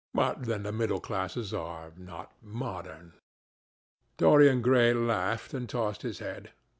But then the middle classes are not modern." Dorian Gray laughed, and tossed his head.